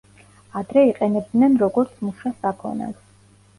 ადრე იყენებდნენ როგორც მუშა საქონელს.